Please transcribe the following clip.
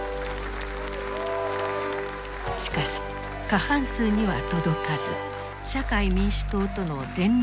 しかし過半数には届かず社会民主党との連立を探ることになった。